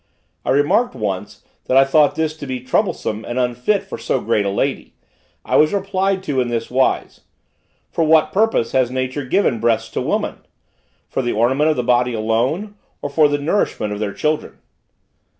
I remarked once, that I thought this to be troublesome and unfit for so great a lady. I was replied to in this wise: "For what purpose has nature given breasts to woman? for the ornament of the body alone, or for the nourishment of their children?"